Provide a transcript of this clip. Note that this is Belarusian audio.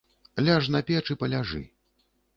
Ляж на печ і паляжы.